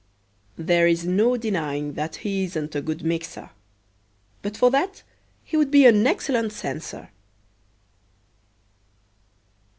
There is no denying that he isn't a good mixer. But for that he would be an excellent censor.